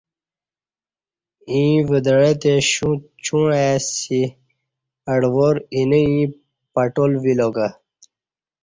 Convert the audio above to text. ایں ودعہ تی شوں چوعں ائںسی اڈوار اِینہ ایں پٹال وِیلا کہ